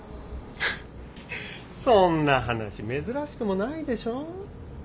フッそんな話珍しくもないでしょう。